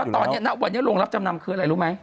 แล้วตอนนี้โรงรับจำนำคืออะไรรู้ไหม